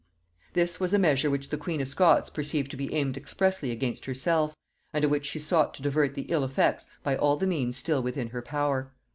This was a measure which the queen of Scots perceived to be aimed expressly against herself, and of which she sought to divert the ill effects by all the means still within her power.